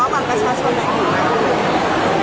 นั่งคุยเจ้าจี้กว่า